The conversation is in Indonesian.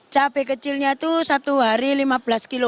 cabenya kecilnya tuh satu hari lima belas kilo